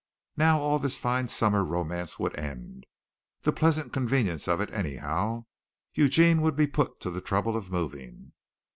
Now all this fine summer romance would end the pleasant convenience of it, anyhow. Eugene would be put to the trouble of moving.